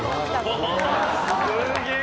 すげえ！